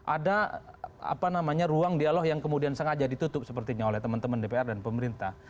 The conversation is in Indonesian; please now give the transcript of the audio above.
ada ruang dialog yang kemudian sengaja ditutup sepertinya oleh teman teman dpr dan pemerintah